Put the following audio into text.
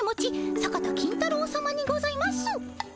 坂田金太郎さまにございます。